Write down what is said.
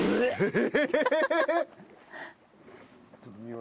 え！